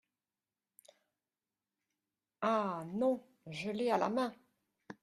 Ah ! non ! je l’ai à la main !…